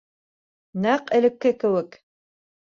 Нәҡ элекке кеүек.